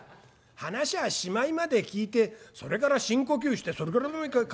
「話はしまいまで聞いてそれから深呼吸してそれからもう一回駆け出すんだい。